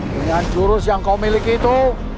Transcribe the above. dengan jurus yang kau miliki itu